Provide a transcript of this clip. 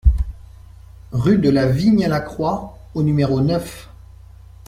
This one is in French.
Rue de la Vigne à la Croix au numéro neuf